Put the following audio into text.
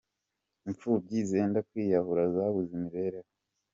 Imfubyi zenda kwiyahura zabuze imibereho ?